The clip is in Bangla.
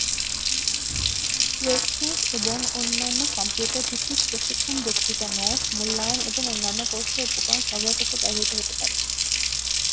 ওয়েবসাইট এবং অন্যান্য কম্পিউটার ভিত্তিক প্রশিক্ষণ বক্তৃতা নোট, মূল্যায়ন এবং অন্যান্য কোর্সের উপকরণ সরবরাহ করতে ব্যবহৃত হতে পারে।